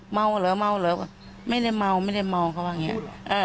เมาเหรอเมาเหรอไม่ได้เมาไม่ได้เมาเขาว่าอย่างนี้